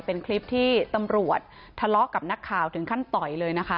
เป็นคลิปที่ตำรวจทะเลาะกับนักข่าวถึงขั้นต่อยเลยนะคะ